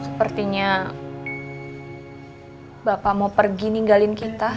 sepertinya bapak mau pergi ninggalin kita